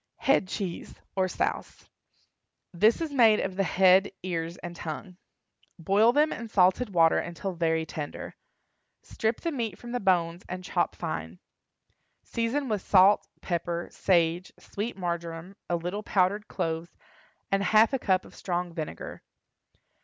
HEAD CHEESE. (OR SOUSE.) This is made of the head, ears and tongue. Boil them in salted water until very tender. Strip the meat from the bones and chop fine. Season with salt, pepper, sage, sweet marjoram, a little powdered cloves, and half a cup of strong vinegar.